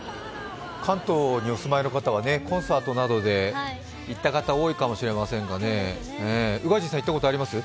関東にお住まいの方はコンサートなどで行った方多いかもしれませんが宇賀神さん、行ったことあります？